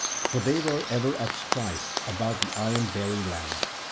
For they were ever at strife about the ironbearing land.